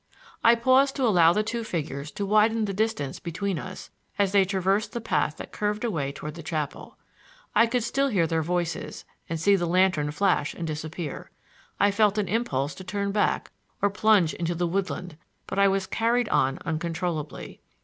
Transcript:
I paused to allow the two figures to widen the distance between us as they traversed the path that curved away toward the chapel. I could still hear their voices, and see the lantern flash and disappear. I felt an impulse to turn back, or plunge into the woodland; but I was carried on uncontrollably.